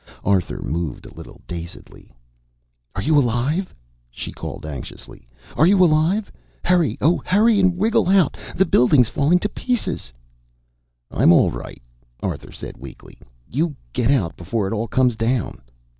Arthur moved a little, dazedly. "Are you alive?" she called anxiously. "Are you alive? Hurry, oh, hurry and wriggle out. The building's falling to pieces!" "I'm all right," Arthur said weakly. "You get out before it all comes down."